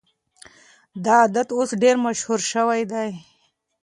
دا عادت اوس ډېر مشهور شوی دی.